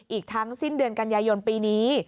อีกทั้งสิ้นเดือนกันยายนปีนี้